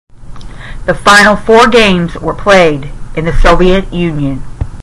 The final four games were played in the Soviet Union.